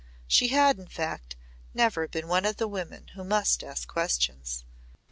She had, in fact, never been one of the women who must ask questions.